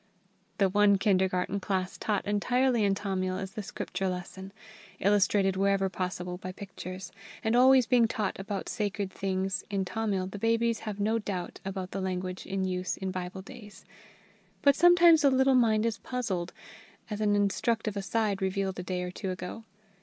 The one kindergarten class taught entirely in Tamil is the Scripture lesson, illustrated whenever possible by pictures; and being always taught about sacred things in Tamil, the babies have no doubt about the language in use in Bible days. But sometimes a little mind is puzzled, as an instructive aside revealed a day or two ago.